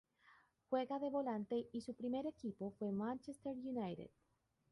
Juega de volante y su primer equipo fue Manchester United.